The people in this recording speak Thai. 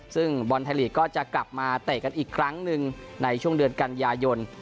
ซึ่งบอลไทยลีกก็จะกลับมาเตะกันอีกครั้งหนึ่งในช่วงเดือนกันยายน